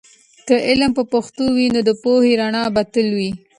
که علم په پښتو وي، نو د پوهې رڼا به تل وي.